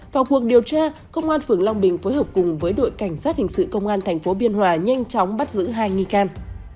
vào cuộc điều tra công an phường long bình phối hợp cùng với đội cảnh sát hình sự công an tp biên hòa nhanh chóng bắt giữ hai nghi can